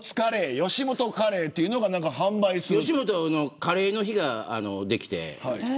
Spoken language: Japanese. よしもとカレーというのが吉本のカレーの日ができて。